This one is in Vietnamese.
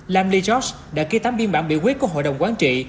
lam lee george đã ký tám biên bản biểu quyết của hội đồng quán trị